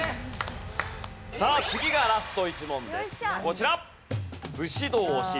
さあ次がラスト１問です。